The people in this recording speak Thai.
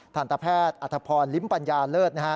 ทันตแพทย์อัธพรลิ้มปัญญาเลิศนะฮะ